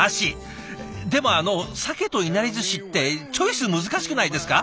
でもあのさけといなりずしってチョイス難しくないですか？